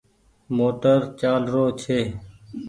موٽر چآل رو ڇي۔